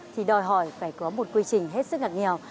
thì đòi hỏi phải có một quy trình hết sức ngặt nghèo